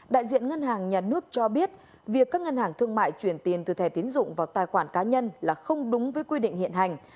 đại diện ngân hàng nhà nước cho biết việc các ngân hàng thương mại chuyển tiền từ thẻ tiến dụng vào tài khoản cá nhân là không đúng với quy định hiện hành